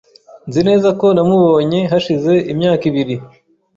Nzi neza ko namubonye hashize imyaka ibiri .